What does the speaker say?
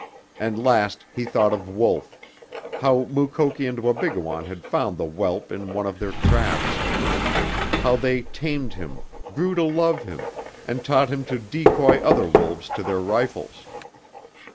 And last he thought of Wolf how Mukoki and Wabigoon had found the whelp in one of their traps; how they tamed him, grew to love him, and taught him to decoy other wolves to their rifles.